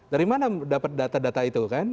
dari mana dapat data data itu kan